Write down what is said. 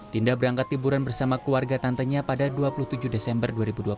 dinda berangkat liburan bersama keluarga tantenya pada dua puluh tujuh desember dua ribu dua puluh